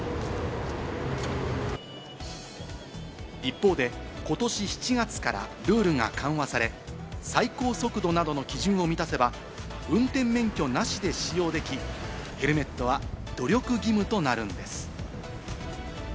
一方で今年７月からルールが緩和され、最高速度などの基準を満たせば、運転免許なしで使用でき、ヘルメットは努力義務となるのです。